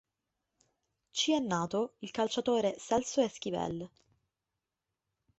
Ci è nato il calciatore Celso Esquivel.